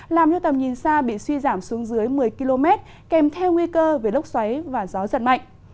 làm cho tầm nhìn xa bị suy giảm xuống dưới một mươi km kèm theo nguy cơ về lốc xoáy và gió giật mạnh